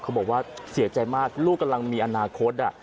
บอกว่าเสียใจมากลูกกำลังมีอนาคต